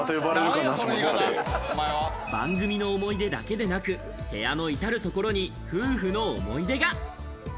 番組の思い出だけでなく、部屋の至るところに夫婦の思い出が。